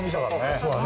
そうだね。